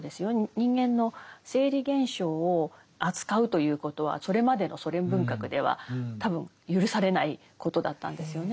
人間の生理現象を扱うということはそれまでのソ連文学では多分許されないことだったんですよね。